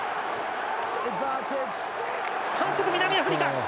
反則、南アフリカ。